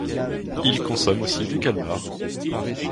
Il consomme aussi des calmars.